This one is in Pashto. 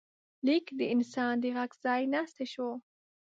لیک د انسان د غږ ځای ناستی شو.